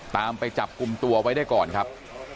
ไปจับกลุ่มตัวไว้ได้ก่อนครับ